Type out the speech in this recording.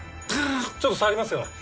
ちょっと触りますよ。